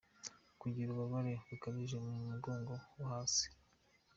Kugira ububabare bukabije mu mugongo wo hasi:.